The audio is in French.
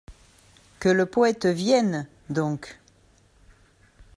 Que le poète vienne donc !